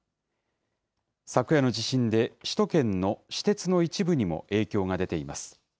昨夜の地震で首都圏の私鉄の一部にも影響が出ています。